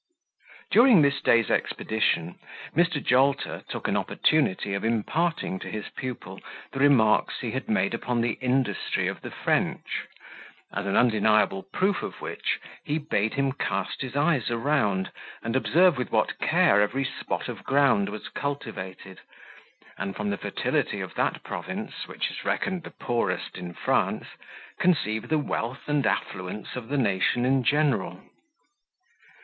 During this day's expedition, Mr. Jolter took an opportunity of imparting to his pupil the remarks he had made upon the industry of the French as an undeniable proof of which he bade him cast his eyes around, and observe with what care every spot of ground was cultivated, and from the fertility of that province, which is reckoned the poorest in France, conceive the wealth and affluence of the nation in general.